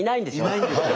いないんですよ。